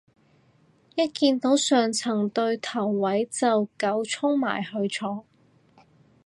一見到上層對頭位就狗衝埋去坐